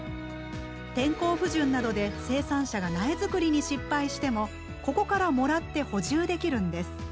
天候不順などで生産者が苗作りに失敗してもここからもらって補充できるんです。